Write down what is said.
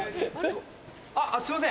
あっすいません。